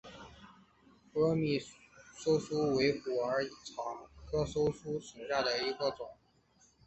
波密溲疏为虎耳草科溲疏属下的一个种。